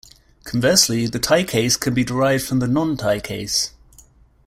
Conversely, the tie case can be derived from the non-tie case.